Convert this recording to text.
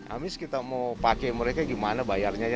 abis kita mau pakai mereka gimana bayarnya ya